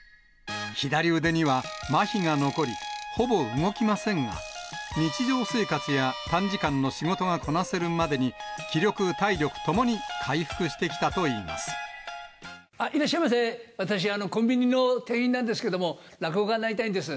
左腕にはまひが残り、ほぼ動きませんが、日常生活や短時間の仕事がこなせるまでに、気力、体力ともに回復いらっしゃいませ、私、コンビニの店員なんですけども、落語家になりたいんです。